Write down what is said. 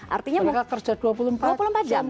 artinya mereka kerja dua puluh empat jam